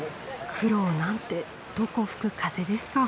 苦労なんてどこ吹く風ですか。